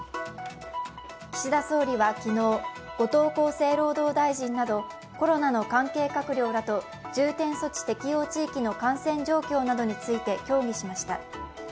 岸田総理は昨日、後藤厚生労働大臣などコロナの関係閣僚らと重点措置適用地域の感染状況などについて協議しました。